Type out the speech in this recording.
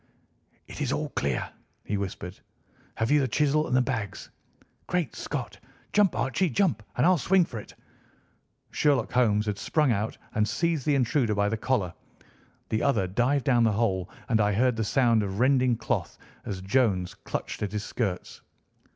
"It's all clear," he whispered. "Have you the chisel and the bags? Great Scott! Jump, Archie, jump, and I'll swing for it!" Sherlock Holmes had sprung out and seized the intruder by the collar. The other dived down the hole, and I heard the sound of rending cloth as Jones clutched at his skirts.